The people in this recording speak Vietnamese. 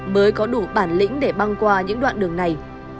mới có đủ bản lĩnh để băng qua những đoạn đường này